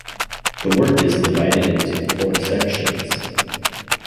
The work is divided into four sections.